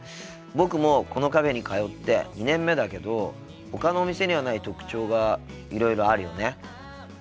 僕もこのカフェに通って２年目だけどほかのお店にはない特徴がいろいろあるよね。